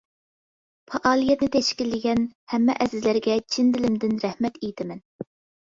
پائالىيەتنى تەشكىللىگەن ھەممە ئەزىزلەرگە چىن دىلىمدىن رەھمەت ئېيتىمەن!